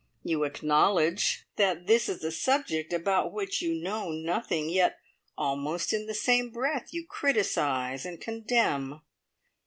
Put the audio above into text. You acknowledge that this is a subject about which you know nothing, yet almost in the same breath you criticise and condemn.